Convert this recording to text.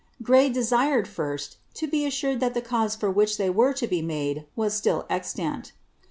Gray desired, first, to be assured thai the cause for which they w< to be made, was " still exlanl."